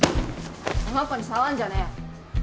この子に触んじゃねえ！